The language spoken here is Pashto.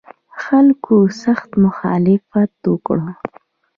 خلکو سخت مخالفت وکړ.